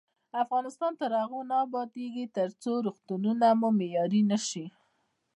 افغانستان تر هغو نه ابادیږي، ترڅو روغتونونه مو معیاري نشي.